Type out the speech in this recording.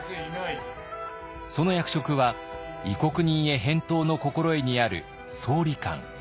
その役職は「異国人江返答之心得」にある「総理官」。